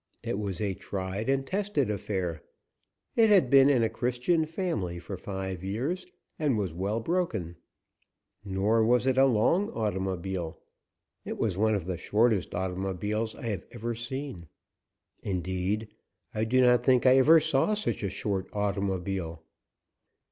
It was a tried and tested affair. It had been in a Christian family for five years, and was well broken. Nor was it a long automobile; it was one of the shortest automobiles I have ever seen; indeed, I do not think I ever saw such a short automobile.